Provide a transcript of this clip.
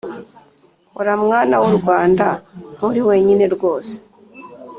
hora mwana w’u rwanda nturi wenyine rwose